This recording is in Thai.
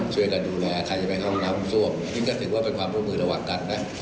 ช่วยกันดูแลใครจะไปเข้าน้ำท่วมนี่ก็ถือว่าเป็นความร่วมมือระหว่างกันนะ